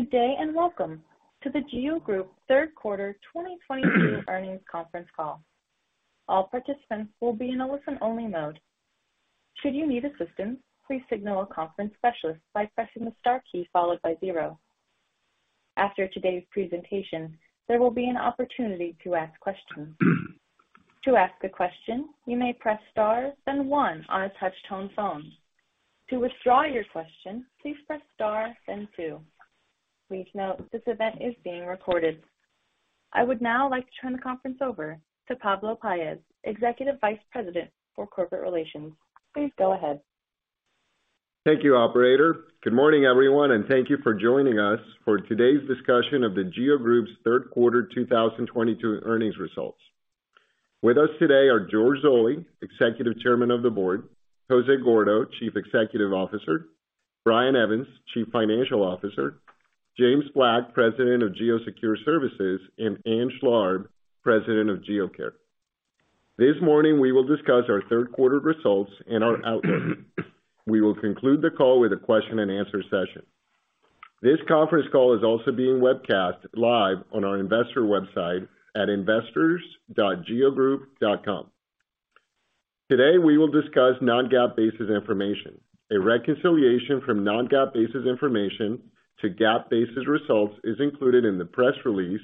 Good day, and welcome to The GEO Group third quarter 2022 earnings conference call. All participants will be in a listen-only mode. Should you need assistance, please signal a conference specialist by pressing the star key followed by zero. After today's presentation, there will be an opportunity to ask questions. To ask a question, you may press star then one on a touch-tone phone. To withdraw your question, please press star then two. Please note this event is being recorded. I would now like to turn the conference over to Pablo Paez, Executive Vice President for Corporate Relations. Please go ahead. Thank you, operator. Good morning, everyone, and thank you for joining us for today's discussion of The GEO Group's Q3 2022 earnings results. With us today are George Zoley, Executive Chairman of the Board, Jose Gordo, Chief Executive Officer, Brian Evans, Chief Financial Officer, James Black, President of GEO Secure Services, and Ann Schlarb, President of GEO Care. This morning, we will discuss our Q3 results and our outlook. We will conclude the call with a question-and-answer session. This conference call is also being webcast live on our investor website at investors.geogroup.com. Today, we will discuss non-GAAP basis information. A reconciliation from non-GAAP basis information to GAAP basis results is included in the press release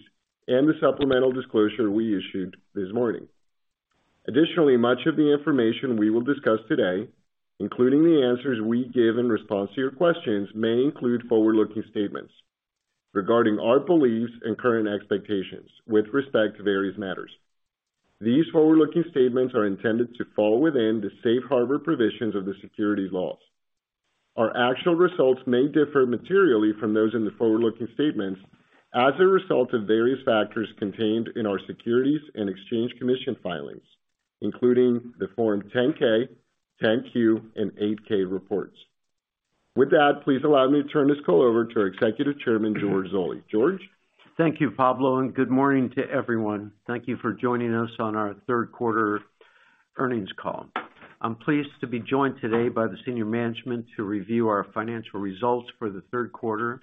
and the supplemental disclosure we issued this morning. Additionally, much of the information we will discuss today, including the answers we give in response to your questions, may include forward-looking statements regarding our beliefs and current expectations with respect to various matters. These forward-looking statements are intended to fall within the safe harbor provisions of the securities laws. Our actual results may differ materially from those in the forward-looking statements as a result of various factors contained in our Securities and Exchange Commission filings, including the Form 10-K, 10-Q, and 8-K reports. With that, please allow me to turn this call over to our Executive Chairman, George Zoley. George? Thank you, Pablo, and good morning to everyone. Thank you for joining us on our Q3 earnings call. I'm pleased to be joined today by the senior management to review our financial results for the Q3,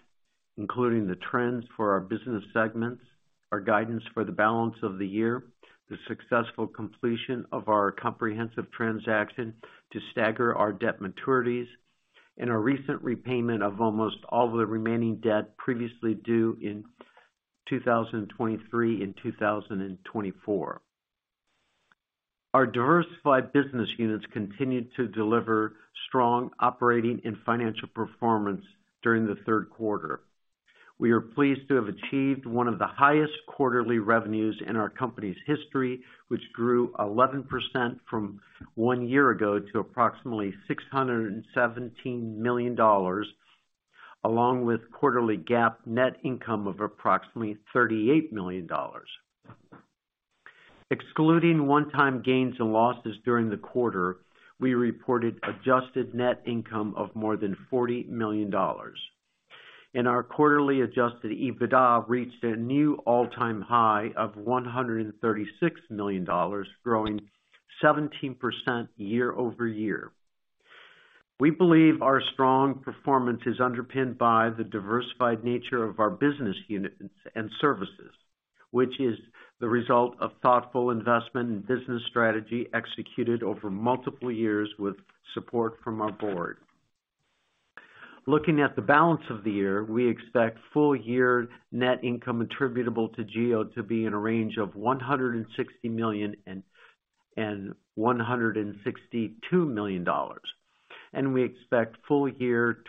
including the trends for our business segments, our guidance for the balance of the year, the successful completion of our comprehensive transaction to stagger our debt maturities, and our recent repayment of almost all the remaining debt previously due in 2023 and 2024. Our diversified business units continued to deliver strong operating and financial performance during the Q3. We are pleased to have achieved one of the highest quarterly revenues in our company's history, which grew 11% from one year ago to approximately $617 million, along with quarterly GAAP net income of approximately $38 million. Excluding one-time gains and losses during the quarter, we reported adjusted net income of more than $40 million. Our quarterly adjusted EBITDA reached a new all-time high of $136 million, growing 17% year-over-year. We believe our strong performance is underpinned by the diversified nature of our business units and services, which is the result of thoughtful investment and business strategy executed over multiple years with support from our board. Looking at the balance of the year, we expect full year net income attributable to GEO to be in a range of $160 million and $162 million. We expect full year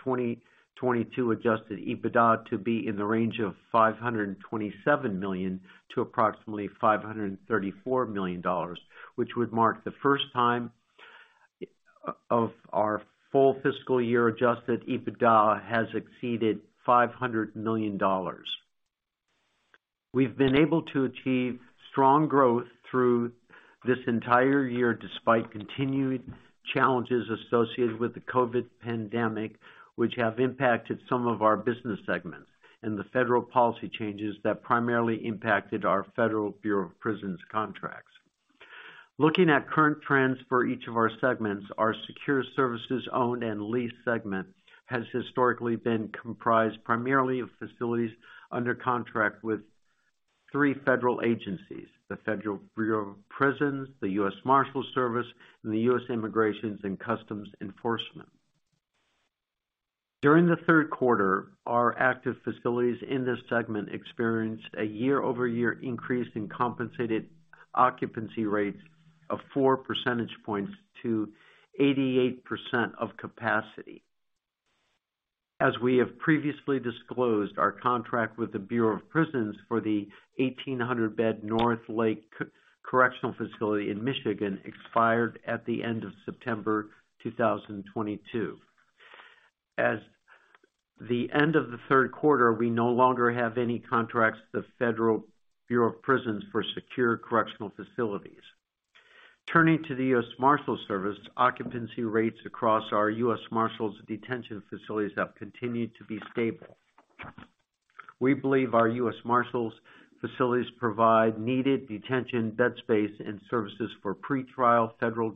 2022 adjusted EBITDA to be in the range of $527 million to approximately $534 million, which would mark the first time of our full fiscal year adjusted EBITDA has exceeded $500 million. We've been able to achieve strong growth through this entire year despite continued challenges associated with the COVID pandemic, which have impacted some of our business segments and the federal policy changes that primarily impacted our Federal Bureau of Prisons contracts. Looking at current trends for each of our segments, our Secure Services owned and leased segment has historically been comprised primarily of facilities under contract with three federal agencies, the Federal Bureau of Prisons, the U.S. Marshals Service, and the U.S. Immigration and Customs Enforcement. During the Q3, our active facilities in this segment experienced a year-over-year increase in compensated occupancy rates of 4 percentage points to 88% of capacity. As we have previously disclosed, our contract with the Bureau of Prisons for the 1,800-bed North Lake Correctional Facility in Michigan expired at the end of September 2022. At the end of the Q3, we no longer have any contracts with Federal Bureau of Prisons for secure correctional facilities. Turning to the U.S. Marshals Service, occupancy rates across our U.S. Marshals detention facilities have continued to be stable. We believe our U.S. Marshals facilities provide needed detention, bed space, and services for pretrial federal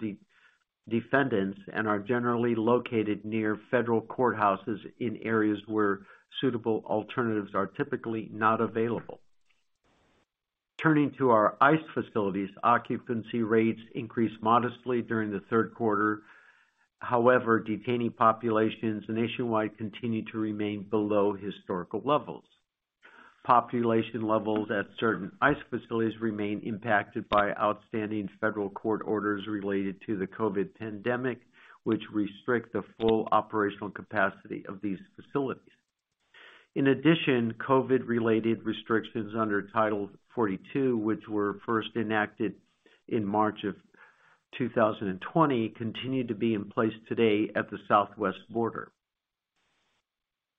defendants and are generally located near federal courthouses in areas where suitable alternatives are typically not available. Turning to our ICE facilities, occupancy rates increased modestly during the Q3. However, detaining populations nationwide continued to remain below historical levels. Population levels at certain ICE facilities remain impacted by outstanding federal court orders related to the COVID pandemic, which restrict the full operational capacity of these facilities. In addition, COVID-related restrictions under Title 42, which were first enacted in March 2020, continue to be in place today at the Southwest border.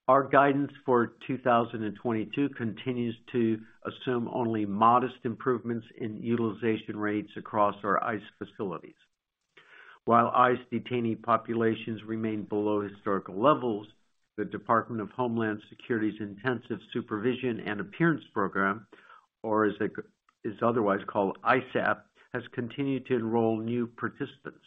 Our guidance for 2022 continues to assume only modest improvements in utilization rates across our ICE facilities. While ICE detainee populations remain below historical levels, the Department of Homeland Security's Intensive Supervision and Appearance Program, or as it is otherwise called ISAP, has continued to enroll new participants.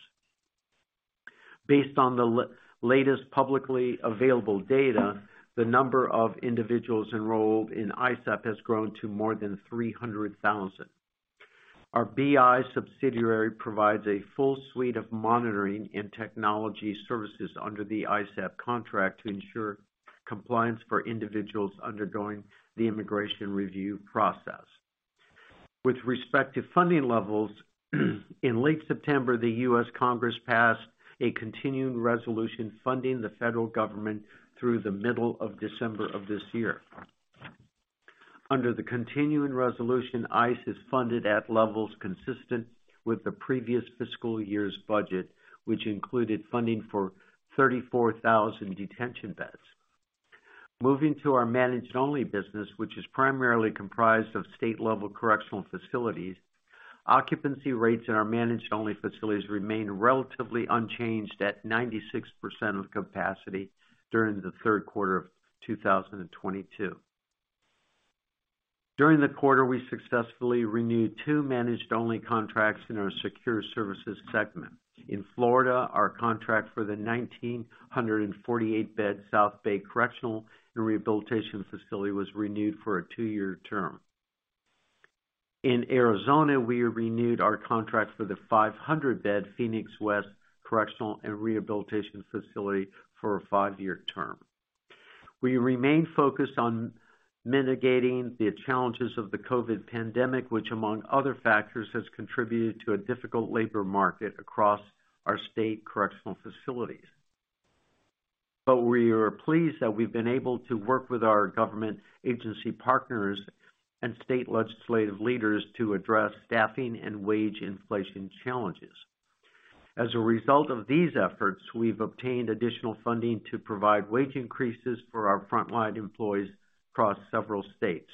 Based on the latest publicly available data, the number of individuals enrolled in ISAP has grown to more than 300,000. Our BI subsidiary provides a full suite of monitoring and technology services under the ISAP contract to ensure compliance for individuals undergoing the immigration review process. With respect to funding levels, in late September, the U.S. Congress passed a continuing resolution funding the federal government through the middle of December of this year. Under the continuing resolution, ICE is funded at levels consistent with the previous fiscal year's budget, which included funding for 34,000 detention beds. Moving to our managed only business, which is primarily comprised of state-level correctional facilities, occupancy rates in our managed only facilities remain relatively unchanged at 96% of capacity during the Q3 of 2022. During the quarter, we successfully renewed two managed only contracts in our secure services segment. In Florida, our contract for the 1,948-bed South Bay Correctional and Rehabilitation Facility was renewed for a two-year term. In Arizona, we renewed our contract for the 500-bed Phoenix West Correctional and Rehabilitation Facility for a five-year term. We remain focused on mitigating the challenges of the COVID pandemic, which, among other factors, has contributed to a difficult labor market across our state correctional facilities. We are pleased that we've been able to work with our government agency partners and state legislative leaders to address staffing and wage inflation challenges. As a result of these efforts, we've obtained additional funding to provide wage increases for our frontline employees across several states.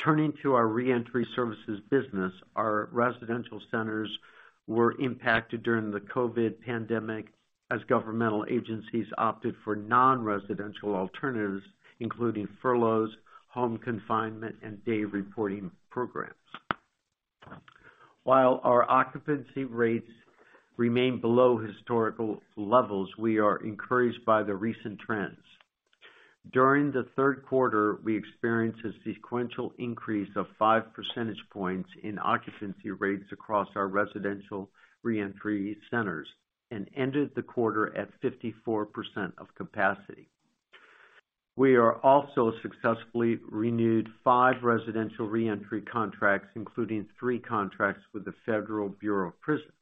Turning to our reentry services business, our residential centers were impacted during the COVID pandemic as governmental agencies opted for non-residential alternatives, including furloughs, home confinement, and day reporting programs. While our occupancy rates remain below historical levels, we are encouraged by the recent trends. During the Q3, we experienced a sequential increase of 5 percentage points in occupancy rates across our residential reentry centers and ended the quarter at 54% of capacity. We are also successfully renewed five residential reentry contracts, including three contracts with the Federal Bureau of Prisons.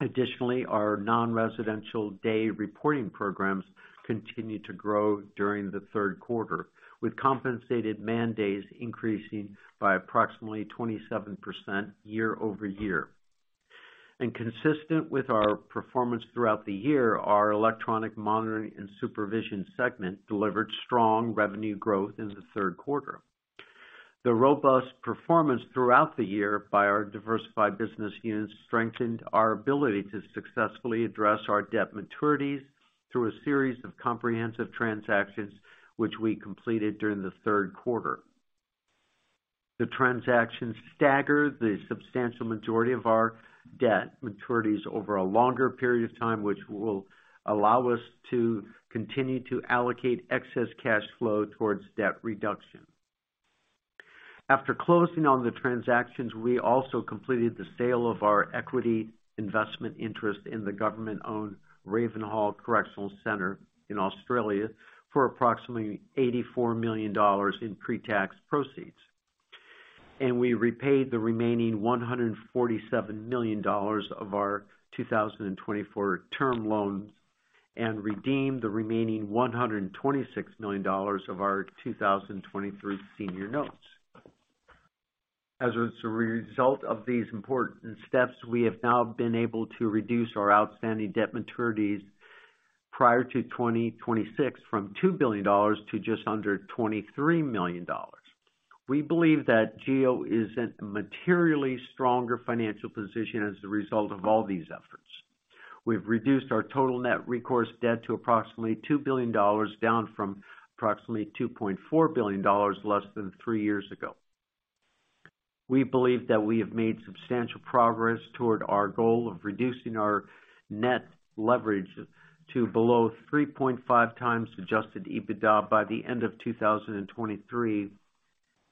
Additionally, our non-residential day reporting programs continued to grow during the Q3, with compensated man days increasing by approximately 27% year-over-year. Consistent with our performance throughout the year, our electronic monitoring and supervision segment delivered strong revenue growth in the Q3. The robust performance throughout the year by our diversified business units strengthened our ability to successfully address our debt maturities through a series of comprehensive transactions, which we completed during the Q3. The transactions staggered the substantial majority of our debt maturities over a longer period of time, which will allow us to continue to allocate excess cash flow towards debt reduction. After closing on the transactions, we also completed the sale of our equity investment interest in the government-owned Ravenhall Correctional Centre in Australia for approximately $84 million in pre-tax proceeds. We repaid the remaining $147 million of our 2024 term loans and redeemed the remaining $126 million of our 2023 senior notes. As a result of these important steps, we have now been able to reduce our outstanding debt maturities prior to 2026 from $2 billion to just under $23 million. We believe that GEO is in a materially stronger financial position as a result of all these efforts. We've reduced our total net recourse debt to approximately $2 billion, down from approximately $2.4 billion less than three years ago. We believe that we have made substantial progress toward our goal of reducing our net leverage to below 3.5x adjusted EBITDA by the end of 2023,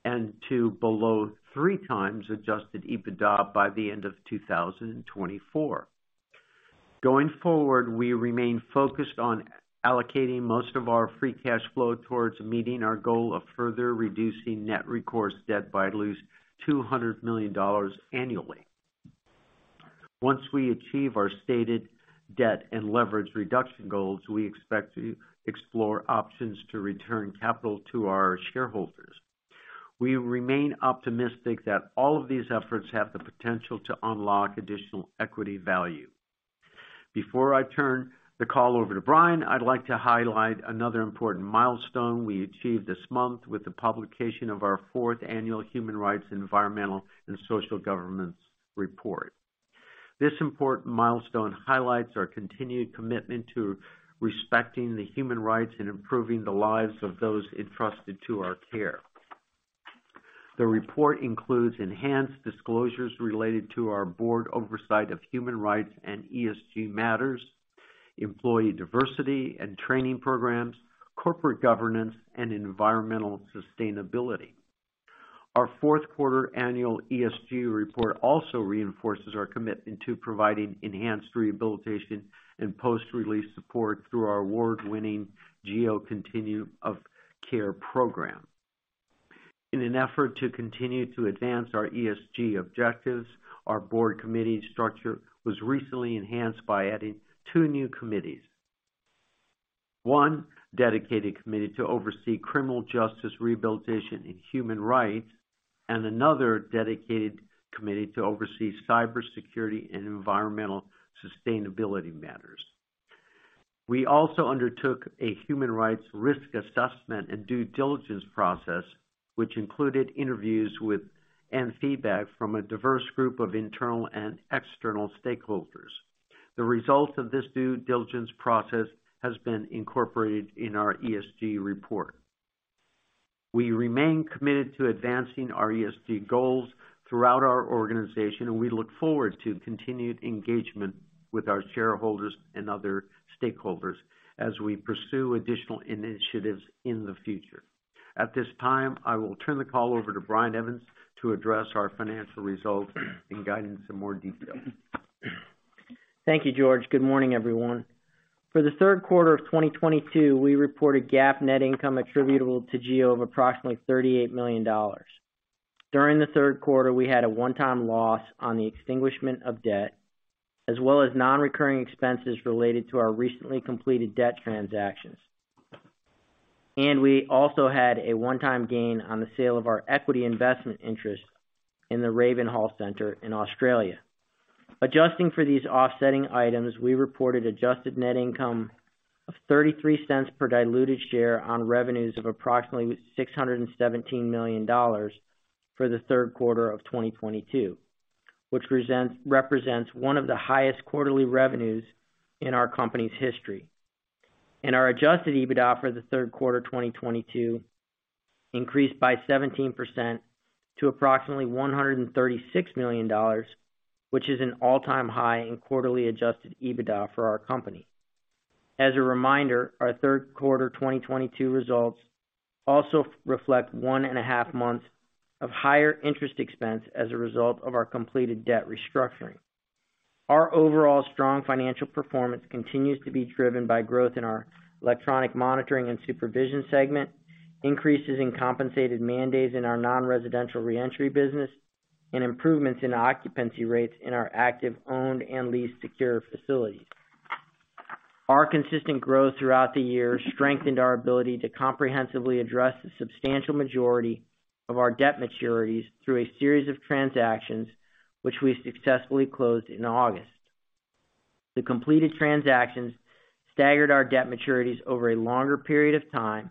and to below 3x adjusted EBITDA by the end of 2024. Going forward, we remain focused on allocating most of our free cash flow towards meeting our goal of further reducing net recourse debt by at least $200 million annually. Once we achieve our stated debt and leverage reduction goals, we expect to explore options to return capital to our shareholders. We remain optimistic that all of these efforts have the potential to unlock additional equity value. Before I turn the call over to Brian, I'd like to highlight another important milestone we achieved this month with the publication of our fourth annual Human Rights and Environmental, Social, and Governance report. This important milestone highlights our continued commitment to respecting the human rights and improving the lives of those entrusted to our care. The report includes enhanced disclosures related to our board oversight of human rights and ESG matters, employee diversity and training programs, corporate governance, and environmental sustainability. Our Q4 annual ESG report also reinforces our commitment to providing enhanced rehabilitation and post-release support through our award-winning GEO Continuum of Care program. In an effort to continue to advance our ESG objectives, our board committee structure was recently enhanced by adding two new committees. One dedicated committee to oversee criminal justice rehabilitation and human rights, and another dedicated committee to oversee cybersecurity and environmental sustainability matters. We also undertook a human rights risk assessment and due diligence process, which included interviews with and feedback from a diverse group of internal and external stakeholders. The result of this due diligence process has been incorporated in our ESG report. We remain committed to advancing our ESG goals throughout our organization, and we look forward to continued engagement with our shareholders and other stakeholders as we pursue additional initiatives in the future. At this time, I will turn the call over to Brian Evans to address our financial results and guidance in more detail. Thank you, George. Good morning, everyone. For the Q3 of 2022, we reported GAAP net income attributable to GEO of approximately $38 million. During the Q3, we had a one-time loss on the extinguishment of debt, as well as non-recurring expenses related to our recently completed debt transactions. We also had a one-time gain on the sale of our equity investment interest in the Ravenhall Center in Australia. Adjusting for these offsetting items, we reported adjusted net income of $0.33 per diluted share on revenues of approximately $617 million for the Q3 of 2022, which represents one of the highest quarterly revenues in our company's history. Our adjusted EBITDA for the Q3 2022 increased by 17% to approximately $136 million, which is an all-time high in quarterly adjusted EBITDA for our company. As a reminder, our Q3 2022 results also reflect one and a half months of higher interest expense as a result of our completed debt restructuring. Our overall strong financial performance continues to be driven by growth in our electronic monitoring and supervision segment, increases in compensated mandates in our non-residential reentry business, and improvements in occupancy rates in our active owned and leased secure facilities. Our consistent growth throughout the year strengthened our ability to comprehensively address the substantial majority of our debt maturities through a series of transactions which we successfully closed in August. The completed transactions staggered our debt maturities over a longer period of time,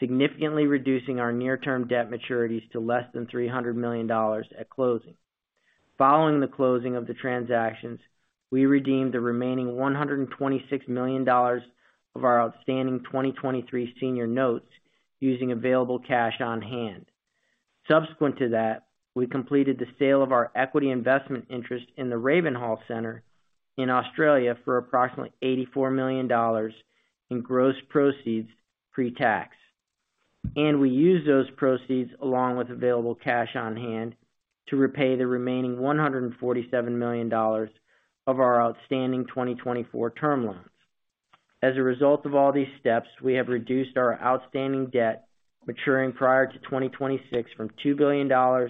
significantly reducing our near-term debt maturities to less than $300 million at closing. Following the closing of the transactions, we redeemed the remaining $126 million of our outstanding 2023 senior notes using available cash on hand. Subsequent to that, we completed the sale of our equity investment interest in the Ravenhall Correctional Centre in Australia for approximately $84 million in gross proceeds pre-tax. We used those proceeds along with available cash on hand to repay the remaining $147 million of our outstanding 2024 term loans. As a result of all these steps, we have reduced our outstanding debt maturing prior to 2026 from $2 billion to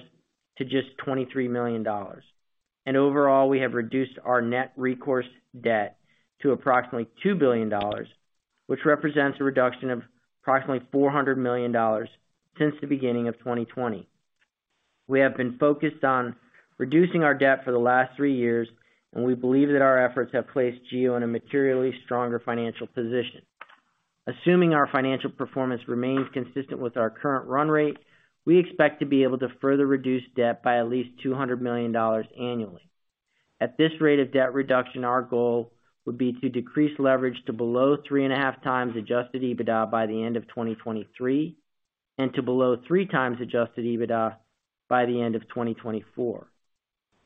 just $23 million. Overall, we have reduced our net recourse debt to approximately $2 billion, which represents a reduction of approximately $400 million since the beginning of 2020. We have been focused on reducing our debt for the last three years, and we believe that our efforts have placed GEO in a materially stronger financial position. Assuming our financial performance remains consistent with our current run rate, we expect to be able to further reduce debt by at least $200 million annually. At this rate of debt reduction, our goal would be to decrease leverage to below 3.5x adjusted EBITDA by the end of 2023, and to below 3x adjusted EBITDA by the end of 2024.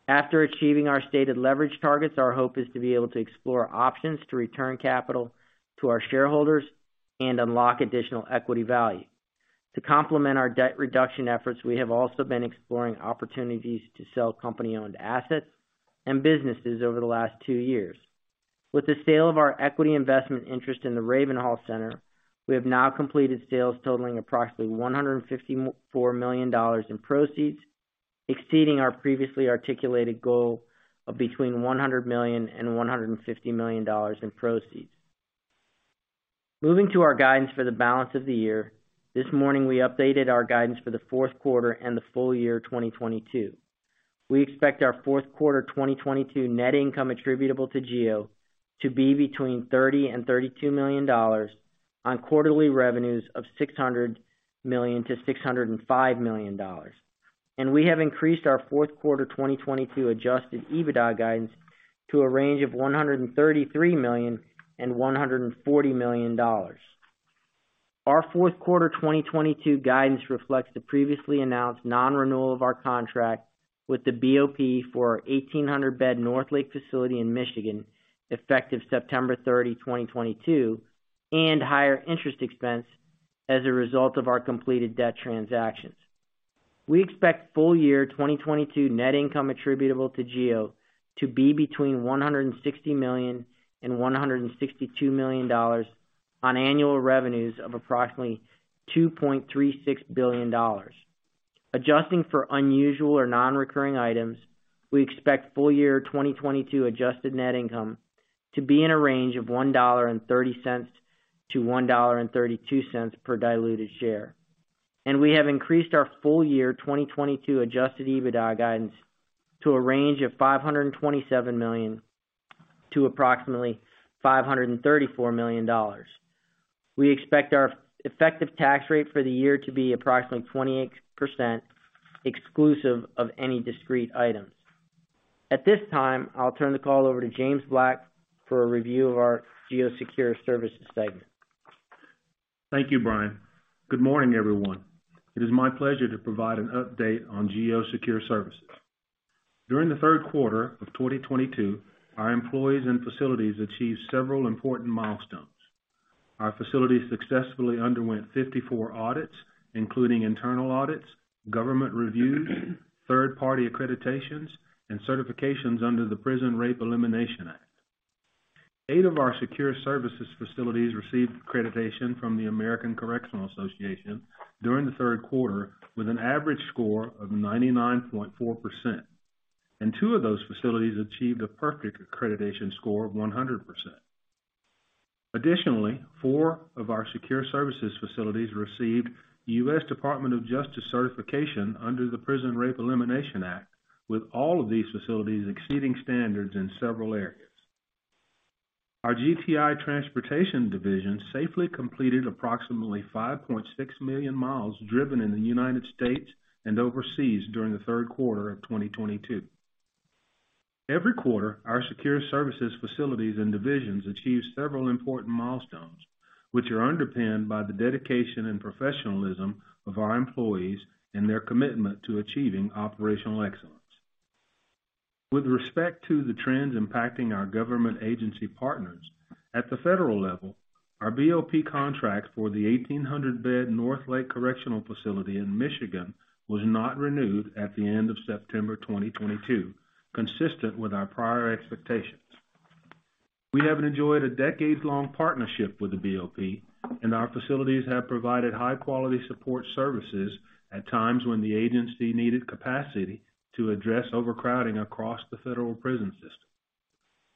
After achieving our stated leverage targets, our hope is to be able to explore options to return capital to our shareholders and unlock additional equity value. To complement our debt reduction efforts, we have also been exploring opportunities to sell company-owned assets and businesses over the last two years. With the sale of our equity investment interest in the Ravenhall Correctional Centre, we have now completed sales totaling approximately $154 million in proceeds, exceeding our previously articulated goal of between $100 million and $150 million in proceeds. Moving to our guidance for the balance of the year. This morning, we updated our guidance for the Q4 and the full year 2022. We expect our Q4 2022 net income attributable to GEO to be between $30 million and $32 million on quarterly revenues of $600 million-$605 million. We have increased our Q4 2022 adjusted EBITDA guidance to a range of $133 million and $140 million. Our Q4 2022 guidance reflects the previously announced non-renewal of our contract with the BOP for our 1,800-bed North Lake facility in Michigan, effective September 30, 2022, and higher interest expense as a result of our completed debt transactions. We expect full year 2022 net income attributable to GEO to be between $160 million and $162 million on annual revenues of approximately $2.36 billion. Adjusting for unusual or non-recurring items, we expect full year 2022 adjusted net income to be in a range of $1.30-$1.32 per diluted share. We have increased our full year 2022 adjusted EBITDA guidance to a range of $527 million to approximately $534 million. We expect our effective tax rate for the year to be approximately 28%, exclusive of any discrete items. At this time, I'll turn the call over to James Black for a review of our GEO Secure Services segment. Thank you, Brian. Good morning, everyone. It is my pleasure to provide an update on GEO Secure Services. During the Q3 of 2022, our employees and facilities achieved several important milestones. Our facilities successfully underwent 54 audits, including internal audits, government reviews, third-party accreditations, and certifications under the Prison Rape Elimination Act. Eight of our secure services facilities received accreditation from the American Correctional Association during the Q3, with an average score of 99.4%, and two of those facilities achieved a perfect accreditation score of 100%. Additionally, four of our secure services facilities received U.S. Department of Justice certification under the Prison Rape Elimination Act, with all of these facilities exceeding standards in several areas. Our GTI Transport Division safely completed approximately 5.6 million miles driven in the U.S. and overseas during the Q3 of 2022. Every quarter, our secure services facilities and divisions achieve several important milestones, which are underpinned by the dedication and professionalism of our employees and their commitment to achieving operational excellence. With respect to the trends impacting our government agency partners, at the federal level, our BOP contract for the 1,800-bed North Lake Correctional Facility in Michigan was not renewed at the end of September 2022, consistent with our prior expectations. We have enjoyed a decades-long partnership with the BOP, and our facilities have provided high-quality support services at times when the agency needed capacity to address overcrowding across the federal prison system.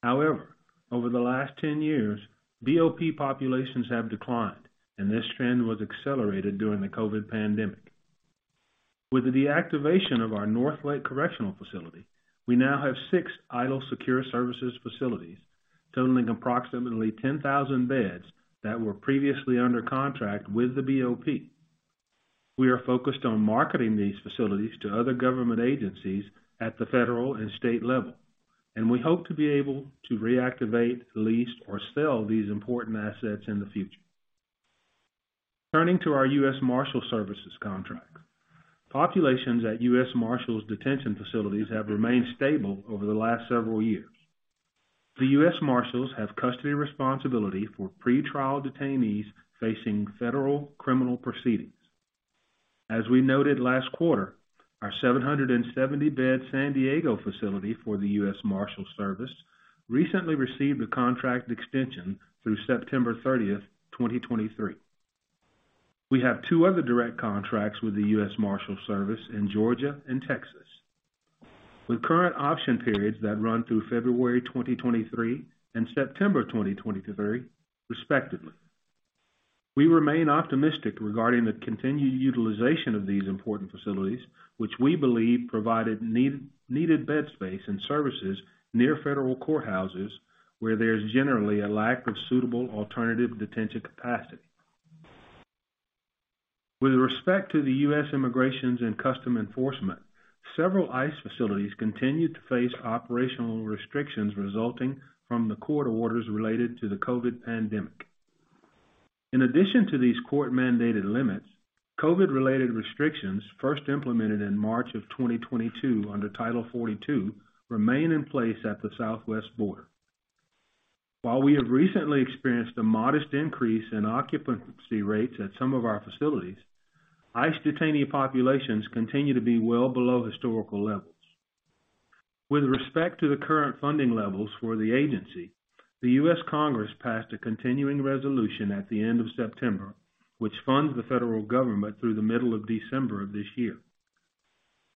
However, over the last 10 years, BOP populations have declined, and this trend was accelerated during the COVID pandemic. With the deactivation of our North Lake Correctional Facility, we now have six idle secure services facilities totaling approximately 10,000 beds that were previously under contract with the BOP. We are focused on marketing these facilities to other government agencies at the federal and state level, and we hope to be able to reactivate, lease, or sell these important assets in the future. Turning to our U.S. Marshals Service contract. Populations at U.S. Marshals detention facilities have remained stable over the last several years. The U.S. Marshals have custody responsibility for pretrial detainees facing federal criminal proceedings. As we noted last quarter, our 770-bed San Diego facility for the U.S. Marshals Service recently received a contract extension through September 30, 2023. We have two other direct contracts with the U.S. Marshals Service in Georgia and Texas, with current option periods that run through February 2023 and September 2023, respectively. We remain optimistic regarding the continued utilization of these important facilities, which we believe provided needed bed space and services near federal courthouses, where there's generally a lack of suitable alternative detention capacity. With respect to the U.S. Immigration and Customs Enforcement, several ICE facilities continue to face operational restrictions resulting from the court orders related to the COVID pandemic. In addition to these court-mandated limits, COVID-related restrictions first implemented in March of 2022 under Title 42 remain in place at the southwest border. While we have recently experienced a modest increase in occupancy rates at some of our facilities, ICE detainee populations continue to be well below historical levels. With respect to the current funding levels for the agency, the U.S. Congress passed a continuing resolution at the end of September, which funds the federal government through the middle of December of this year.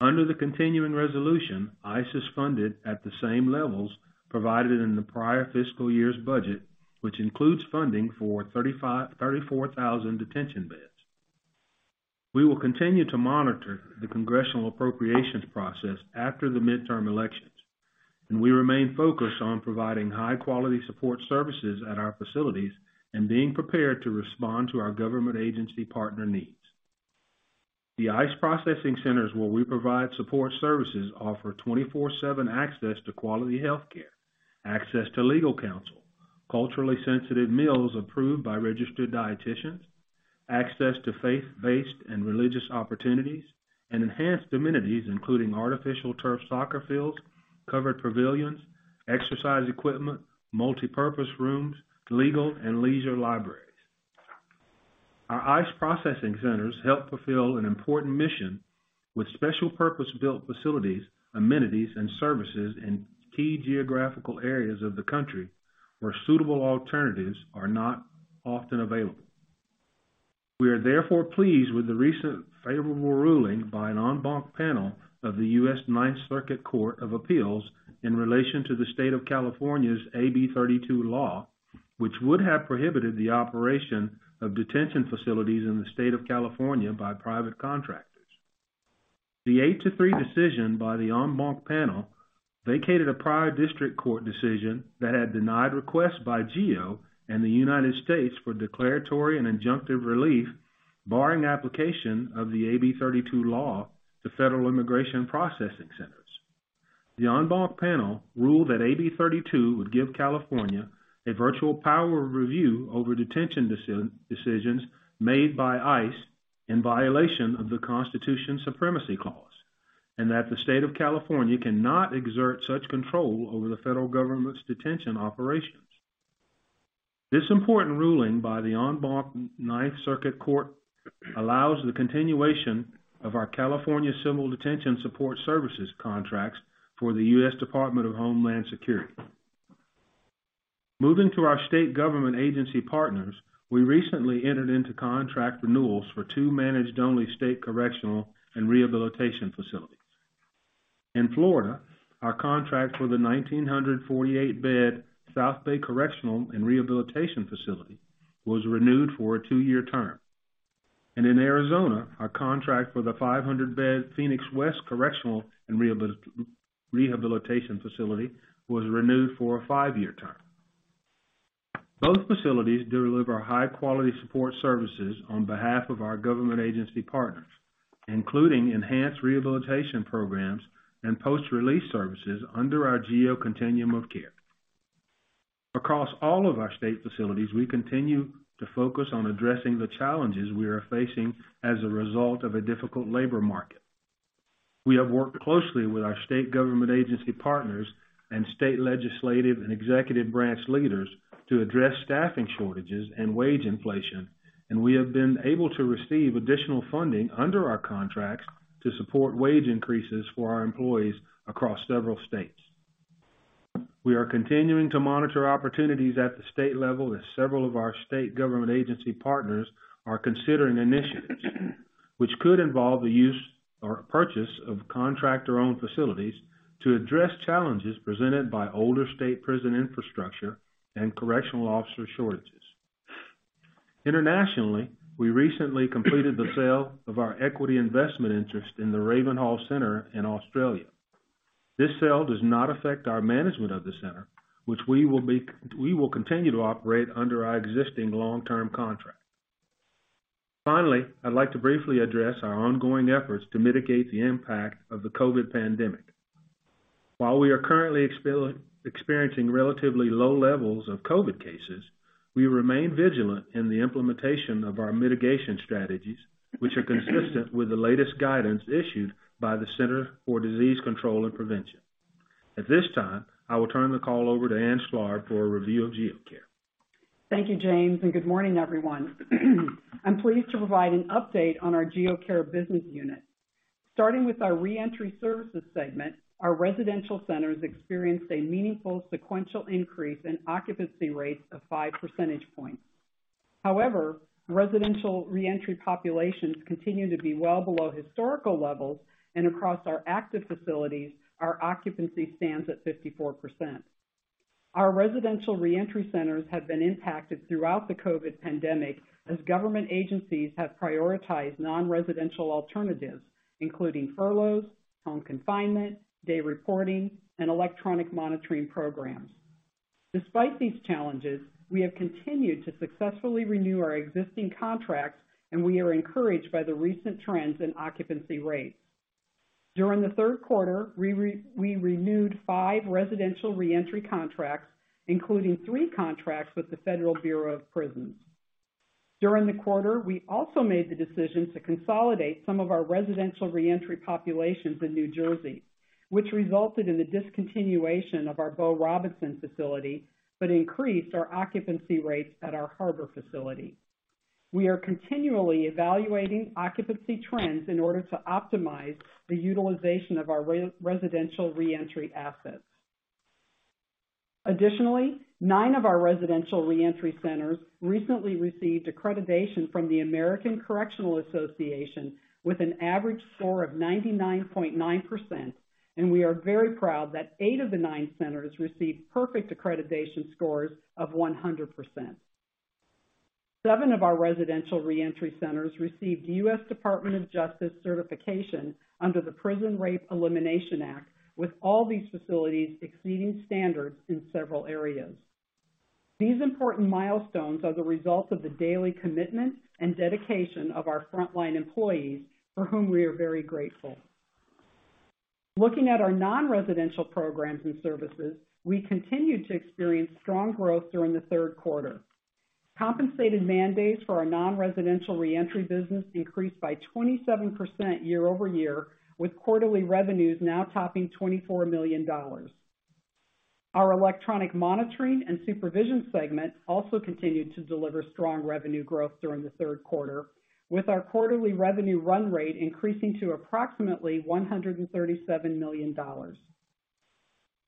Under the continuing resolution, ICE is funded at the same levels provided in the prior fiscal year's budget, which includes funding for 34,000 detention beds. We will continue to monitor the congressional appropriations process after the midterm elections, and we remain focused on providing high-quality support services at our facilities and being prepared to respond to our government agency partner needs. The ICE processing centers where we provide support services offer 24/7 access to quality healthcare, access to legal counsel, culturally sensitive meals approved by registered dieticians, access to faith-based and religious opportunities, and enhanced amenities, including artificial turf soccer fields, covered pavilions, exercise equipment, multipurpose rooms, legal and leisure libraries. Our ICE processing centers help fulfill an important mission with special purpose-built facilities, amenities, and services in key geographical areas of the country where suitable alternatives are not often available. We are therefore pleased with the recent favorable ruling by an en banc panel of the U.S. Ninth Circuit Court of Appeals in relation to the state of California's AB 32 law, which would have prohibited the operation of detention facilities in the state of California by private contractors. The 8-3 decision by the en banc panel vacated a prior district court decision that had denied requests by GEO and the U.S. for declaratory and injunctive relief, barring application of the AB 32 law to federal immigration processing centers. The en banc panel ruled that AB 32 would give California a veto power to review over detention decisions made by ICE in violation of the Supremacy Clause, and that the state of California cannot exert such control over the federal government's detention operations. This important ruling by the en banc Ninth Circuit Court allows the continuation of our California Civil Detention Support Services contracts for the U.S. Department of Homeland Security. Moving to our state government agency partners, we recently entered into contract renewals for two managed-only state correctional and rehabilitation facilities. In Florida, our contract for the 1,948-bed South Bay Correctional and Rehabilitation Facility was renewed for a two-year term. In Arizona, our contract for the 500-bed Phoenix West Correctional and Rehabilitation Facility was renewed for a five-year term. Both facilities deliver high-quality support services on behalf of our government agency partners, including enhanced rehabilitation programs and post-release services under our GEO Continuum of Care. Across all of our state facilities, we continue to focus on addressing the challenges we are facing as a result of a difficult labor market. We have worked closely with our state government agency partners and state legislative and executive branch leaders to address staffing shortages and wage inflation, and we have been able to receive additional funding under our contracts to support wage increases for our employees across several states. We are continuing to monitor opportunities at the state level, as several of our state government agency partners are considering initiatives which could involve the use or purchase of contractor-owned facilities to address challenges presented by older state prison infrastructure and correctional officer shortages. Internationally, we recently completed the sale of our equity investment interest in the Ravenhall Center in Australia. This sale does not affect our management of the center, which we will continue to operate under our existing long-term contract. Finally, I'd like to briefly address our ongoing efforts to mitigate the impact of the COVID pandemic. While we are currently experiencing relatively low levels of COVID cases, we remain vigilant in the implementation of our mitigation strategies, which are consistent with the latest guidance issued by the Centers for Disease Control and Prevention. At this time, I will turn the call over to Ann Schlarb for a review of GEO Care. Thank you, James, and good morning, everyone. I'm pleased to provide an update on our GEO Care business unit. Starting with our reentry services segment, our residential centers experienced a meaningful sequential increase in occupancy rates of 5 percentage points. However, residential reentry populations continue to be well below historical levels, and across our active facilities, our occupancy stands at 54%. Our residential reentry centers have been impacted throughout the COVID pandemic as government agencies have prioritized non-residential alternatives, including furloughs, home confinement, day reporting, and electronic monitoring programs. Despite these challenges, we have continued to successfully renew our existing contracts, and we are encouraged by the recent trends in occupancy rates. During the Q3, we renewed five residential reentry contracts, including three contracts with the Federal Bureau of Prisons. During the quarter, we also made the decision to consolidate some of our residential reentry populations in New Jersey, which resulted in the discontinuation of our Bo Robinson facility, but increased our occupancy rates at our Harbor facility. We are continually evaluating occupancy trends in order to optimize the utilization of our residential reentry assets. Additionally, nine of our residential reentry centers recently received accreditation from the American Correctional Association with an average score of 99.9%, and we are very proud that eight of the nine centers received perfect accreditation scores of 100%. Seven of our residential reentry centers received U.S. Department of Justice certification under the Prison Rape Elimination Act, with all these facilities exceeding standards in several areas. These important milestones are the result of the daily commitment and dedication of our frontline employees, for whom we are very grateful. Looking at our non-residential programs and services, we continued to experience strong growth during the Q3. Compensated man days for our non-residential reentry business increased by 27% year-over-year, with quarterly revenues now topping $24 million. Our electronic monitoring and supervision segment also continued to deliver strong revenue growth during the Q3, with our quarterly revenue run rate increasing to approximately $137 million.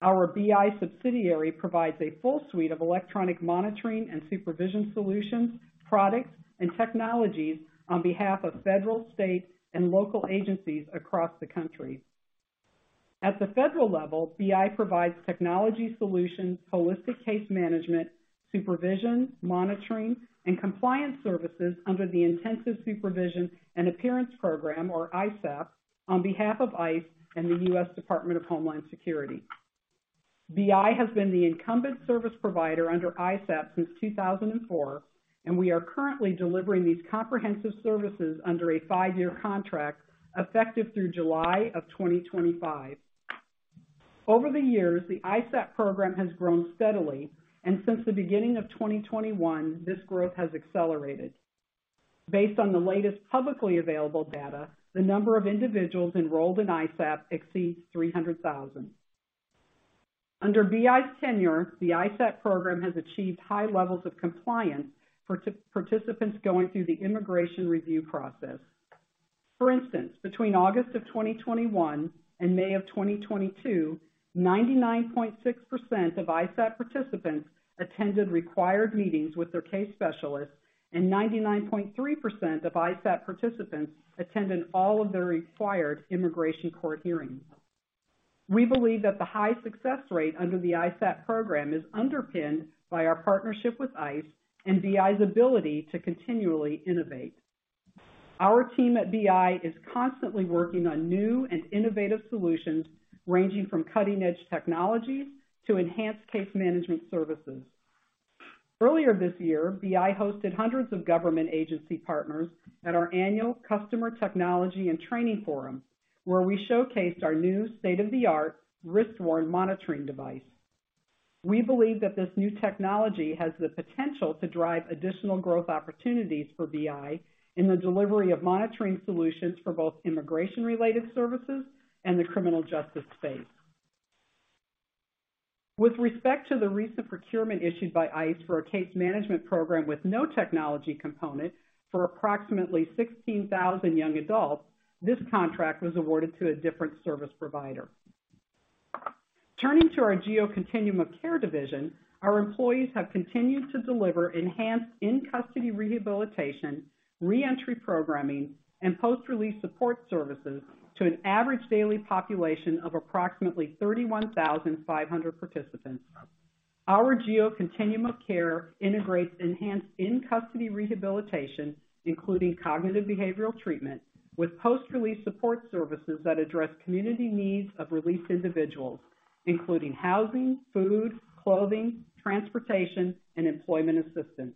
Our BI subsidiary provides a full suite of electronic monitoring and supervision solutions, products, and technologies on behalf of federal, state, and local agencies across the country. At the federal level, BI provides technology solutions, holistic case management, supervision, monitoring, and compliance services under the Intensive Supervision and Appearance Program, or ISAP, on behalf of ICE and the U.S. Department of Homeland Security. BI has been the incumbent service provider under ISAP since 2004, and we are currently delivering these comprehensive services under a five-year contract effective through July 2025. Over the years, the ISAP program has grown steadily, and since the beginning of 2021, this growth has accelerated. Based on the latest publicly available data, the number of individuals enrolled in ISAP exceeds 300,000. Under BI's tenure, the ISAP program has achieved high levels of compliance for the participants going through the immigration review process. For instance, between August 2021 and May 2022, 99.6% of ISAP participants attended required meetings with their case specialists, and 99.3% of ISAP participants attended all of their required immigration court hearings. We believe that the high success rate under the ISAP program is underpinned by our partnership with ICE and BI's ability to continually innovate. Our team at BI is constantly working on new and innovative solutions, ranging from cutting-edge technologies to enhanced case management services. Earlier this year, BI hosted hundreds of government agency partners at our annual Customer Technology and Training Forum, where we showcased our new state-of-the-art wrist-worn monitoring device. We believe that this new technology has the potential to drive additional growth opportunities for BI in the delivery of monitoring solutions for both immigration-related services and the criminal justice space. With respect to the recent procurement issued by ICE for a case management program with no technology component for approximately 16,000 young adults, this contract was awarded to a different service provider. Turning to our GEO Continuum of Care Division, our employees have continued to deliver enhanced in-custody rehabilitation, reentry programming, and post-release support services to an average daily population of approximately 31,500 participants. Our GEO Continuum of Care integrates enhanced in-custody rehabilitation, including cognitive behavioral treatment, with post-release support services that address community needs of released individuals, including housing, food, clothing, transportation, and employment assistance.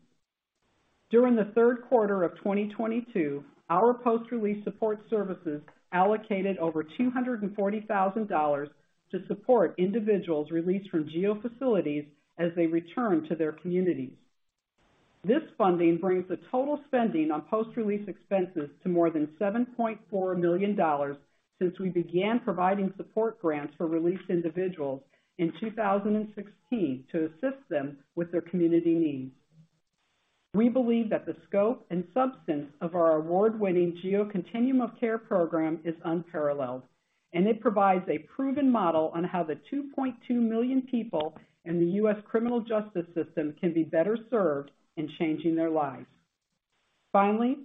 During the Q3 of 2022, our post-release support services allocated over $240,000 to support individuals released from GEO facilities as they return to their communities. This funding brings the total spending on post-release expenses to more than $7.4 million since we began providing support grants for released individuals in 2016 to assist them with their community needs. We believe that the scope and substance of our award-winning GEO Continuum of Care program is unparalleled, and it provides a proven model on how the 2.2 million people in the U.S. Criminal Justice System can be better served in changing their lives. Finally,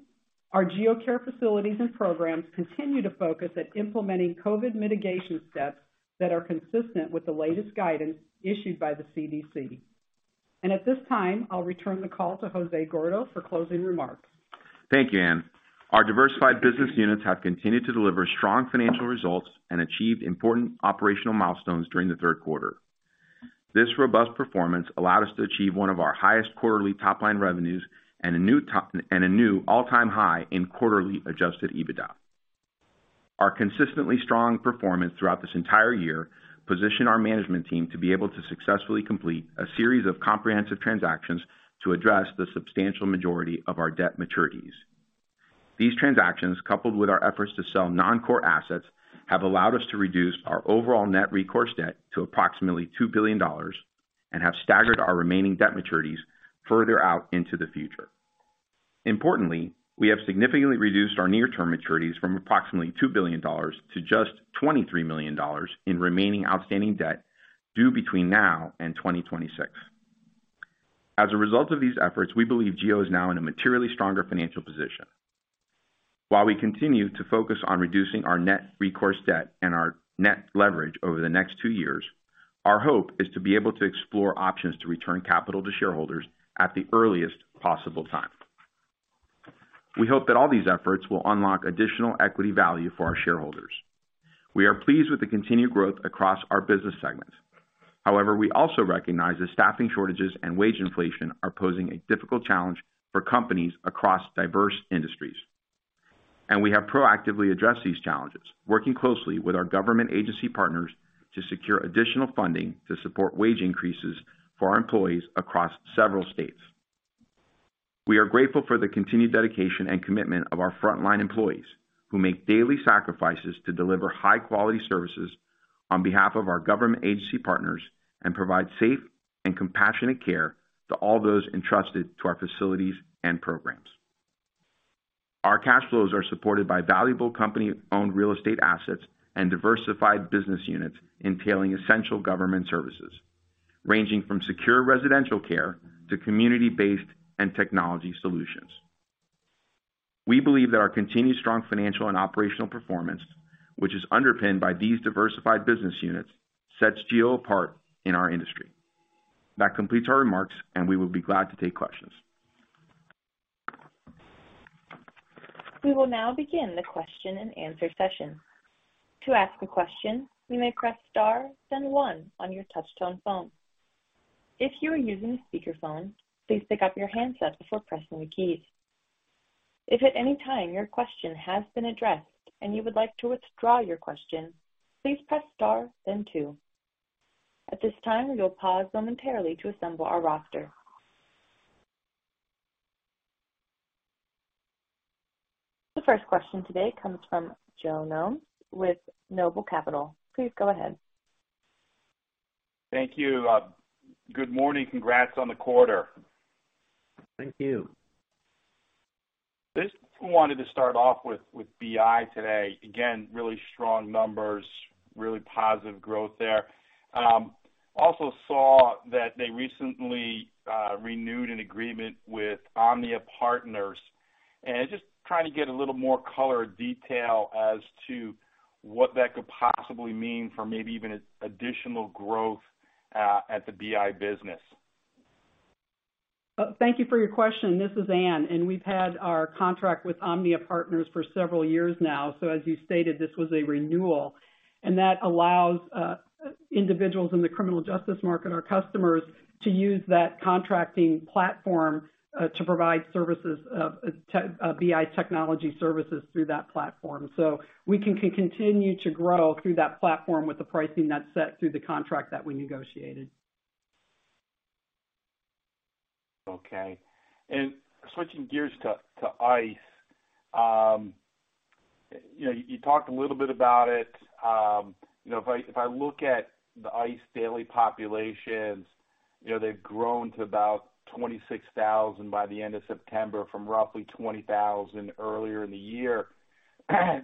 our GEO Care facilities and programs continue to focus at implementing COVID mitigation steps that are consistent with the latest guidance issued by the CDC. At this time, I'll return the call to Jose Gordo for closing remarks. Thank you, Anne. Our diversified business units have continued to deliver strong financial results and achieved important operational milestones during the Q3. This robust performance allowed us to achieve one of our highest quarterly top-line revenues and a new all-time high in quarterly adjusted EBITDA. Our consistently strong performance throughout this entire year position our management team to be able to successfully complete a series of comprehensive transactions to address the substantial majority of our debt maturities. These transactions, coupled with our efforts to sell non-core assets, have allowed us to reduce our overall net recourse debt to approximately $2 billion and have staggered our remaining debt maturities further out into the future. Importantly, we have significantly reduced our near-term maturities from approximately $2 billion to just $23 million in remaining outstanding debt due between now and 2026. As a result of these efforts, we believe GEO is now in a materially stronger financial position. While we continue to focus on reducing our net recourse debt and our net leverage over the next two years, our hope is to be able to explore options to return capital to shareholders at the earliest possible time. We hope that all these efforts will unlock additional equity value for our shareholders. We are pleased with the continued growth across our business segments. However, we also recognize that staffing shortages and wage inflation are posing a difficult challenge for companies across diverse industries. We have proactively addressed these challenges, working closely with our government agency partners to secure additional funding to support wage increases for our employees across several states. We are grateful for the continued dedication and commitment of our frontline employees, who make daily sacrifices to deliver high-quality services on behalf of our government agency partners and provide safe and compassionate care to all those entrusted to our facilities and programs. Our cash flows are supported by valuable company-owned real estate assets and diversified business units entailing essential government services, ranging from secure residential care to community-based and technology solutions. We believe that our continued strong financial and operational performance, which is underpinned by these diversified business units, sets GEO apart in our industry. That completes our remarks, and we will be glad to take questions. We will now begin the Q&A session. To ask a question, you may press star, then one on your touchtone phone. If you are using a speakerphone, please pick up your handset before pressing the keys. If at any time your question has been addressed and you would like to withdraw your question, please press star then two. At this time, we will pause momentarily to assemble our roster. The first question today comes from Joe Gomes with Noble Capital. Please go ahead. Thank you. Good morning. Congrats on the quarter. Thank you. Just wanted to start off with BI today. Again, really strong numbers, really positive growth there. Also saw that they recently renewed an agreement with OMNIA Partners. Just trying to get a little more color or detail as to what that could possibly mean for maybe even an additional growth at the BI business? Thank you for your question. This is Ann, and we've had our contract with OMNIA Partners for several years now. As you stated, this was a renewal, and that allows individuals in the criminal justice market, our customers, to use that contracting platform to provide services of BI technology services through that platform. We can continue to grow through that platform with the pricing that's set through the contract that we negotiated. Okay. Switching gears to ICE. You know, you talked a little bit about it. You know, if I look at the ICE daily populations, you know, they've grown to about 26,000 by the end of September from roughly 20,000 earlier in the year.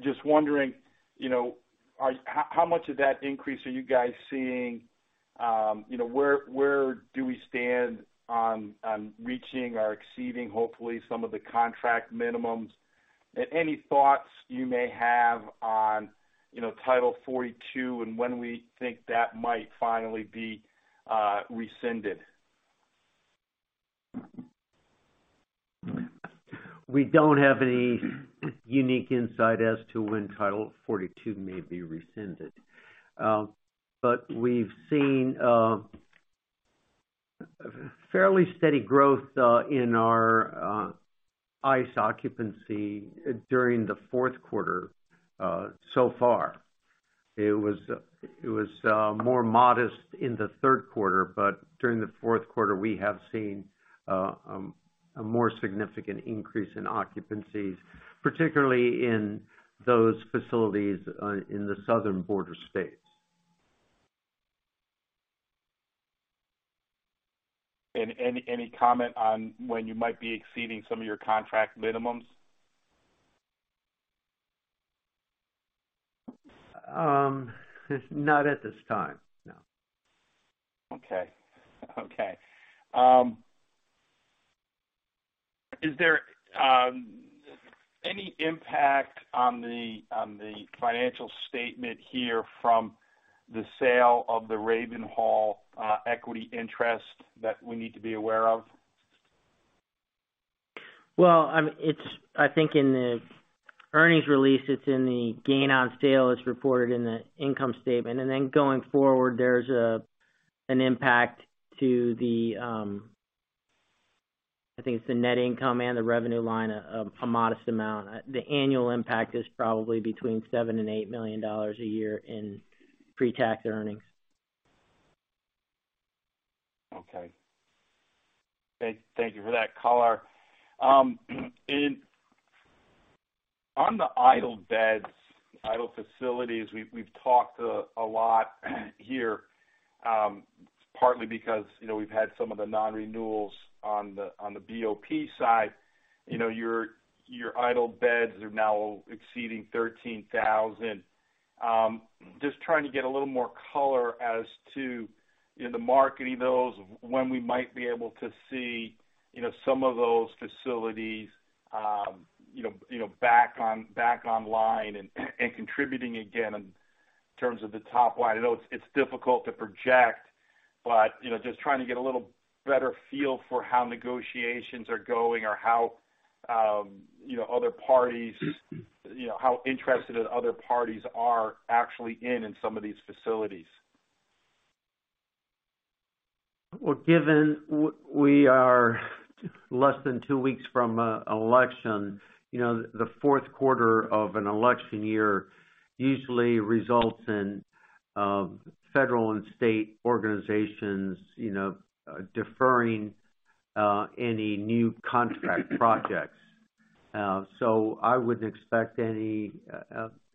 Just wondering, you know, how much of that increase are you guys seeing? You know, where do we stand on reaching or exceeding, hopefully, some of the contract minimums? Any thoughts you may have on, you know, Title 42 and when we think that might finally be rescinded? We don't have any unique insight as to when Title 42 may be rescinded. We've seen fairly steady growth in our ICE occupancy during the Q4 so far. It was more modest in the Q3, but during the Q4, we have seen a more significant increase in occupancies, particularly in those facilities in the southern border states. Any comment on when you might be exceeding some of your contract minimums? Not at this time, no. Okay, is there any impact on the financial statement here from the sale of the Ravenhall equity interest that we need to be aware of? Well, it's, I think in the earnings release, it's in the gain on sale. It's reported in the income statement. Going forward, there's an impact to the, I think it's the net income and the revenue line, a modest amount. The annual impact is probably between $7 million and $8 million a year in pre-tax earnings. Okay. Thank you for that color. On the idle beds, idle facilities, we've talked a lot here, partly because, you know, we've had some of the non-renewals on the BOP side. You know, your idle beds are now exceeding 13,000. Just trying to get a little more color as to, you know, the marketing those, when we might be able to see, you know, some of those facilities, you know, back online and contributing again in terms of the top line. I know it's difficult to project, but, you know, just trying to get a little better feel for how negotiations are going or how, you know, other parties, you know, how interested other parties are actually in some of these facilities? Well, given we are less than two weeks from election, you know, the Q4 of an election year usually results in federal and state organizations, you know, deferring any new contract projects. I wouldn't expect any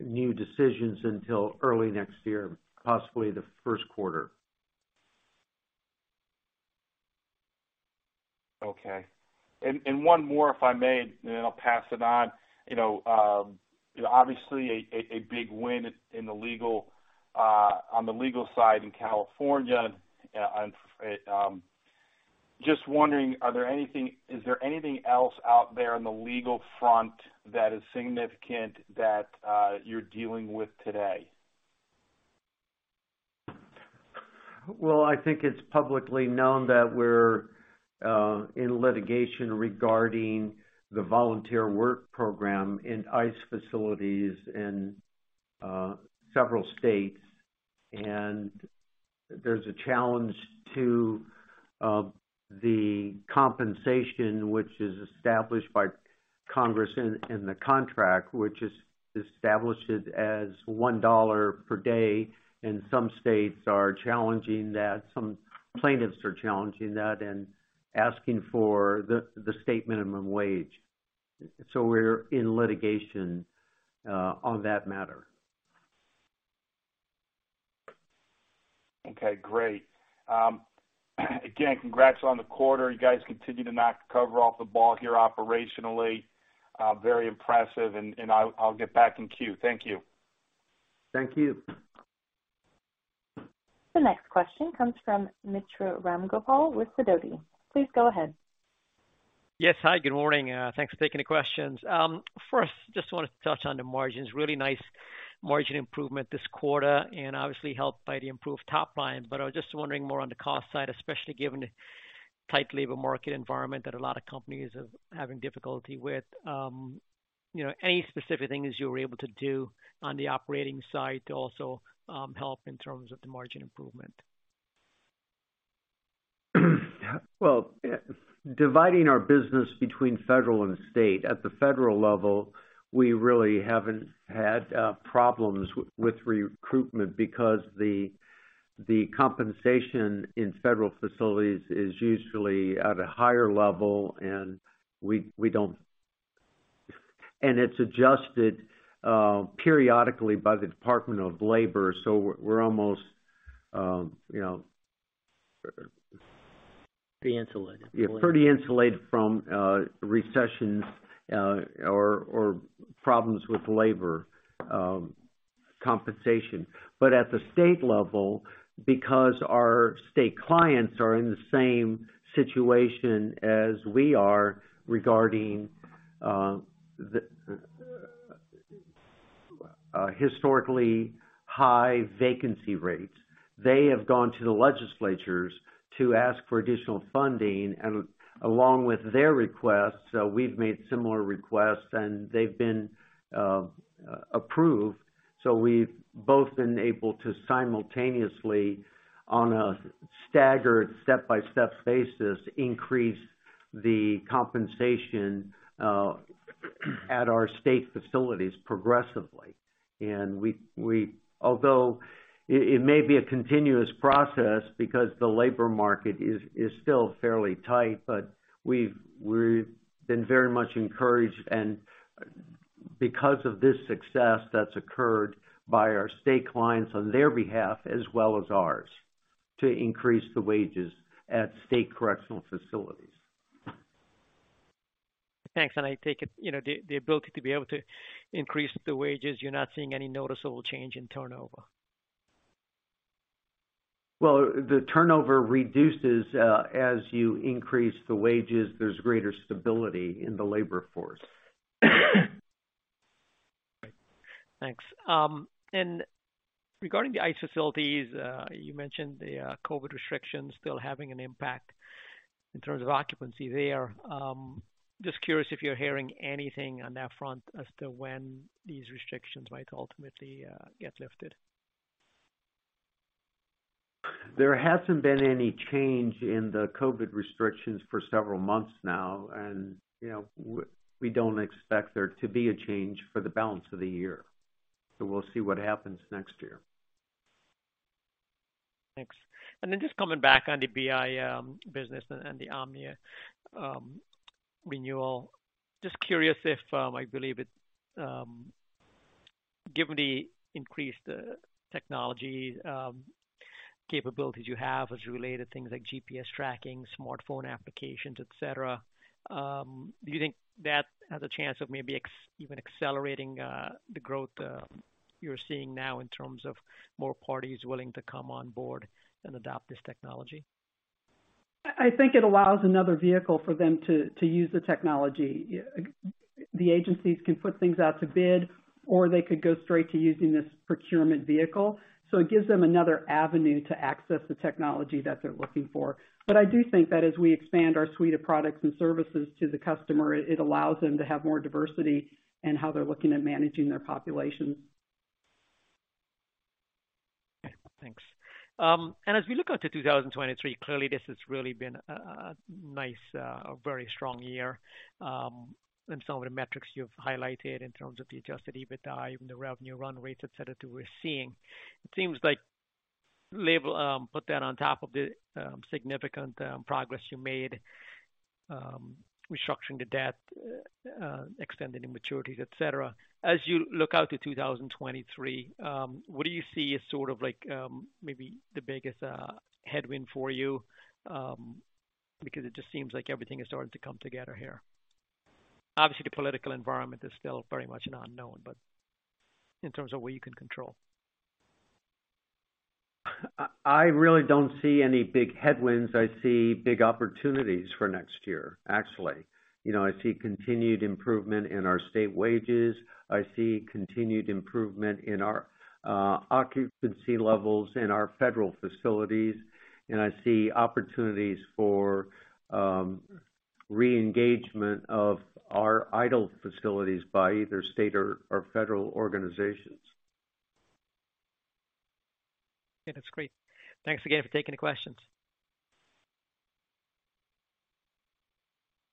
new decisions until early next year, possibly the Q1. One more, if I may, and then I'll pass it on. You know, obviously a big win on the legal side in California. Just wondering, is there anything else out there on the legal front that is significant that you're dealing with today? Well, I think it's publicly known that we're in litigation regarding the volunteer work program in ICE facilities in several states. There's a challenge to the compensation, which is established by Congress in the contract, which is established as $1 per day, and some states are challenging that, some plaintiffs are challenging that and asking for the state minimum wage. We're in litigation on that matter. Okay, great. Again, congrats on the quarter. You guys continue to knock the cover off the ball here operationally. Very impressive, and I'll get back in queue. Thank you. Thank you. The next question comes from Mitra Ramgopal with Sidoti. Please go ahead. Yes. Hi, good morning. Thanks for taking the questions. First, just wanted to touch on the margins. Really nice margin improvement this quarter, and obviously helped by the improved top line. But I was just wondering more on the cost side, especially given the tight labor market environment that a lot of companies are having difficulty with. You know, any specific things you were able to do on the operating side to also help in terms of the margin improvement? Well, dividing our business between federal and state. At the federal level, we really haven't had problems with recruitment because the compensation in federal facilities is usually at a higher level, and we don't. It's adjusted periodically by the Department of Labor. We're almost, you know. Pretty insulated. Yeah, pretty insulated from recessions or problems with labor compensation. At the state level, because our state clients are in the same situation as we are regarding the historically high vacancy rates, they have gone to the legislatures to ask for additional funding. Along with their requests, we've made similar requests, and they've been approved. We've both been able to simultaneously, on a staggered step-by-step basis, increase the compensation at our state facilities progressively. Although it may be a continuous process because the labor market is still fairly tight, we've been very much encouraged, and because of this success that's occurred by our state clients on their behalf as well as ours, to increase the wages at state correctional facilities. Thanks. I take it, you know, the ability to be able to increase the wages, you're not seeing any noticeable change in turnover? Well, the turnover reduces, as you increase the wages, there's greater stability in the labor force. Right. Thanks. Regarding the ICE facilities, you mentioned the COVID restrictions still having an impact in terms of occupancy there. Just curious if you're hearing anything on that front as to when these restrictions might ultimately get lifted? There hasn't been any change in the COVID restrictions for several months now. You know, we don't expect there to be a change for the balance of the year. We'll see what happens next year. Thanks. Just coming back on the BI business and the OMNIA renewal. Just curious if I believe it given the increased technology capabilities you have as related things like GPS tracking, smartphone applications, et cetera, do you think that has a chance of maybe even accelerating the growth you're seeing now in terms of more parties willing to come on board and adopt this technology? I think it allows another vehicle for them to use the technology. The agencies can put things out to bid, or they could go straight to using this procurement vehicle. It gives them another avenue to access the technology that they're looking for. I do think that as we expand our suite of products and services to the customer, it allows them to have more diversity in how they're looking at managing their populations. Okay. Thanks. As we look out to 2023, clearly this has really been a nice, very strong year in some of the metrics you've highlighted in terms of the adjusted EBITDA, even the revenue run rates, et cetera, that we're seeing. It seems like put that on top of the significant progress you made restructuring the debt, extending the maturities, et cetera. As you look out to 2023, what do you see as sort of like maybe the biggest headwind for you? Because it just seems like everything is starting to come together here. Obviously, the political environment is still very much an unknown, but in terms of what you can control. I really don't see any big headwinds. I see big opportunities for next year, actually. You know, I see continued improvement in our state wages. I see continued improvement in our occupancy levels in our federal facilities. I see opportunities for re-engagement of our idle facilities by either state or federal organizations. Okay. That's great. Thanks again for taking the questions.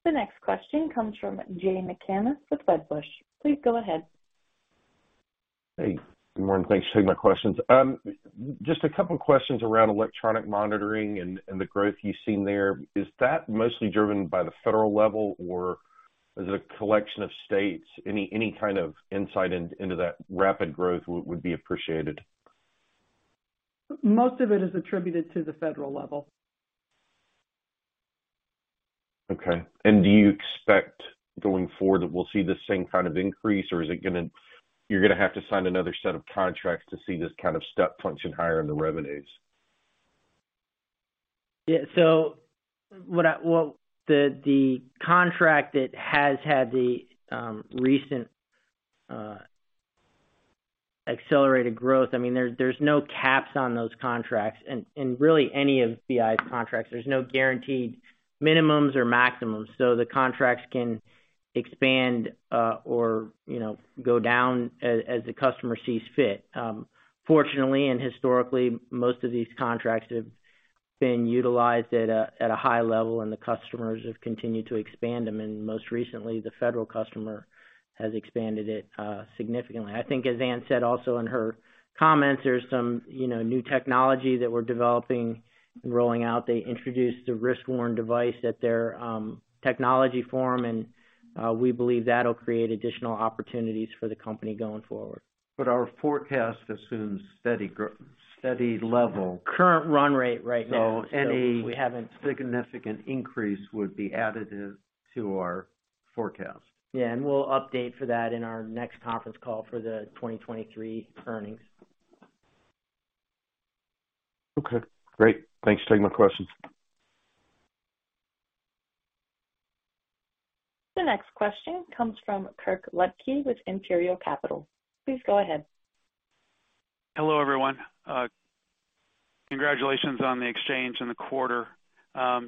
The next question comes from Jay McCanless with Wedbush. Please go ahead. Hey, good morning. Thanks for taking my questions. Just a couple of questions around electronic monitoring and the growth you've seen there. Is that mostly driven by the federal level or is it a collection of states? Any kind of insight into that rapid growth would be appreciated. Most of it is attributed to the federal level. Okay. Do you expect going forward that we'll see the same kind of increase, or you're gonna have to sign another set of contracts to see this kind of step function higher in the revenues? The contract that has had the recent accelerated growth, I mean, there's no caps on those contracts and really any of BI's contracts. There's no guaranteed minimums or maximums, so the contracts can expand or, you know, go down as the customer sees fit. Fortunately, and historically, most of these contracts have been utilized at a high level, and the customers have continued to expand them. Most recently, the federal customer has expanded it significantly. I think as Ann said also in her comments, there's some, you know, new technology that we're developing and rolling out. They introduced a wrist-worn device at their technology forum, and we believe that'll create additional opportunities for the company going forward. Our forecast assumes steady level. Current run rate right now. So any. We haven't significant increase would be additive to our forecast. Yeah. We'll update for that in our next conference call for the 2023 earnings. Okay, great. Thanks for taking my questions. The next question comes from Kirk Ludtke with Imperial Capital. Please go ahead. Hello, everyone. Congratulations on the exchange quarter.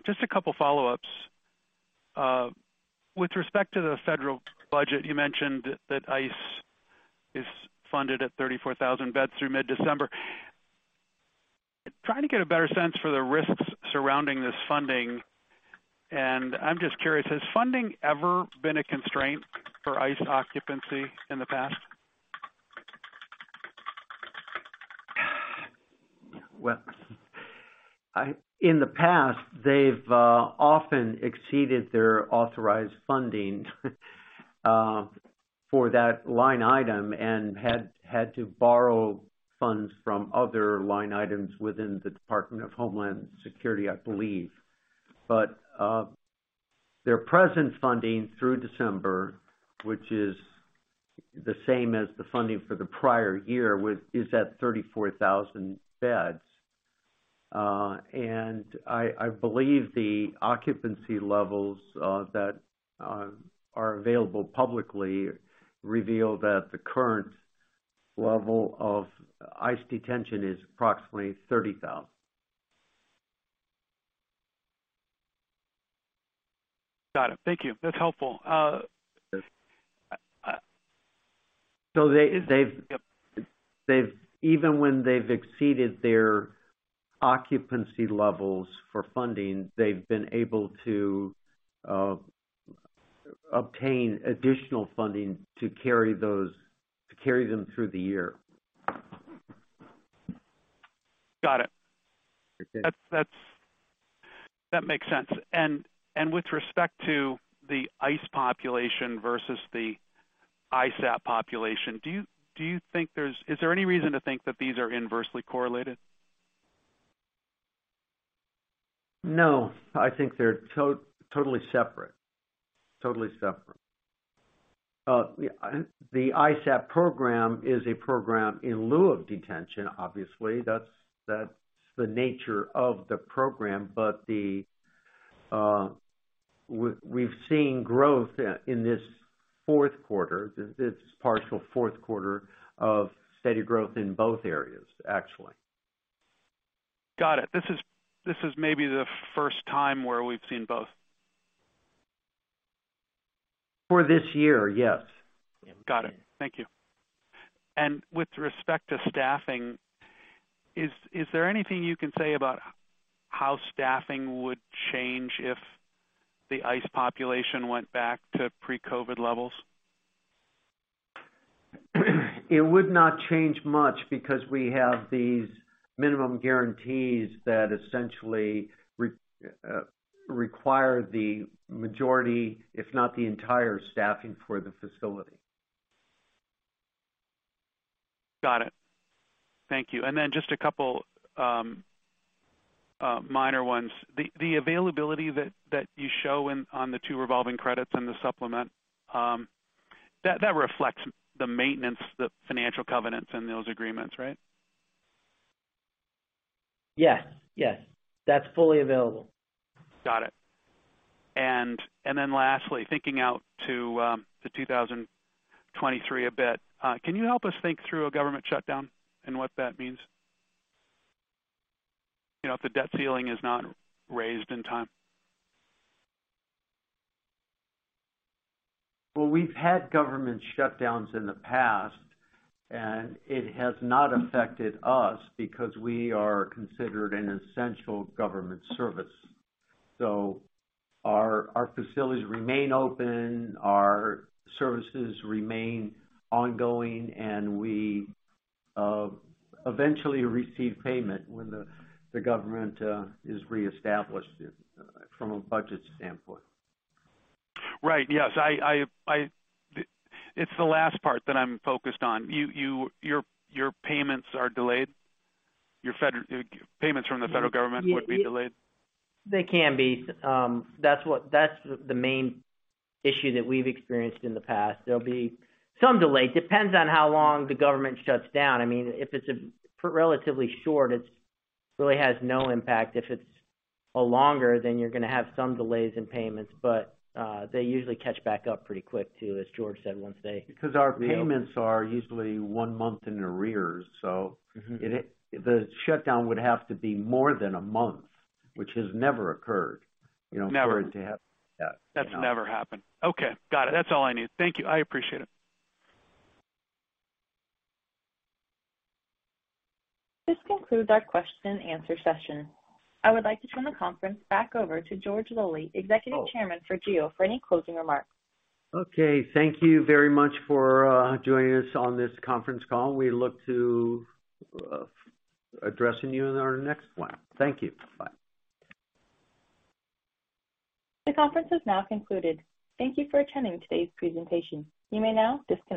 Just a couple follow-ups. With respect to the federal budget, you mentioned that ICE is funded at 34,000 beds through mid-December. Trying to get a better sense for the risks surrounding this funding. I'm just curious, has funding ever been a constraint for ICE occupancy in the past? Well, in the past, they've often exceeded their authorized funding for that line item and had to borrow funds from other line items within the U.S. Department of Homeland Security, I believe. Their present funding through December, which is the same as the funding for the prior year, is at 34,000 beds. I believe the occupancy levels that are available publicly reveal that the current level of ICE detention is approximately 30,000. Got it. Thank you. That's helpful. Yep. Even when they've exceeded their occupancy levels for funding, they've been able to obtain additional funding to carry them through the year. Got it. Okay. That makes sense. With respect to the ICE population versus the ISAP population, is there any reason to think that these are inversely correlated? No, I think they're totally separate. Totally separate. The ISAP program is a program in lieu of detention, obviously. That's the nature of the program. But we've seen growth in this Q4, this partial Q4, of steady growth in both areas, actually. Got it. This is maybe the first time where we've seen both. For this year, yes. Got it. Thank you. With respect to staffing, is there anything you can say about how staffing would change if the ICE population went back to pre-COVID levels? It would not change much because we have these minimum guarantees that essentially require the majority, if not the entire staffing for the facility. Got it. Thank you. Just a couple minor ones. The availability that you show in on the two revolving credits and the supplement that reflects the maintenance, the financial covenants in those agreements, right? Yes, yes. That's fully available. Got it. Lastly, thinking out to 2023 a bit, can you help us think through a government shutdown and what that means? You know, if the debt ceiling is not raised in time. Well, we've had government shutdowns in the past, and it has not affected us because we are considered an essential government service. Our facilities remain open, our services remain ongoing, and we eventually receive payment when the government is reestablished it from a budget standpoint. Right. Yes. It's the last part that I'm focused on. Your payments are delayed. Your payments from the federal government would be delayed. They can be. That's the main issue that we've experienced in the past. There'll be some delay. Depends on how long the government shuts down. I mean, if it's a relatively short, it really has no impact. If it's a longer, then you're gonna have some delays in payments. They usually catch back up pretty quick too, as George said, once they. Because our payments are usually one month in arrears. The shutdown would have to be more than a month, which has never occurred, you know, for it to happen. That's never happened. Okay. Got it. That's all I need. Thank you. I appreciate it. This concludes our Q&A session. I would like to turn the conference back over to George Zoley, Executive Chairman for GEO, for any closing remarks. Okay. Thank you very much for joining us on this conference call. We look forward to addressing you in our next one. Thank you. Bye. The conference is now concluded. Thank you for attending today's presentation. You may now disconnect.